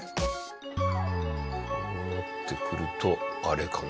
こうなってくるとあれかな。